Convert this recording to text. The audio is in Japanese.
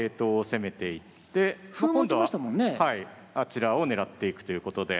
今度はあちらを狙っていくということで。